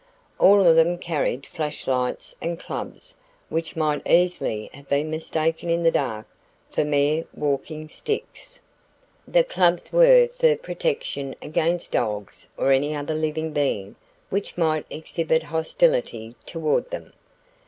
All of them carried flashlights and clubs which might easily have been mistaken in the dark for mere walking sticks. The clubs were for protection against dogs or any other living being which might exhibit hostility toward them.